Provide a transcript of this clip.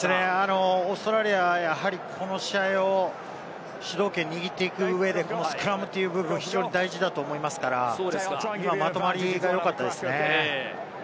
オーストラリアは、やはりこの試合を主導権を握っていく上でこのスクラムという部分、非常に大事だと思いますから、まとまりが良かったですよね。